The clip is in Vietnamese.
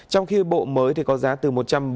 trong khi bộ mới có giá từ